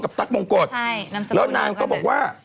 ตั๊กมงกฎแล้วนางก็บอกว่า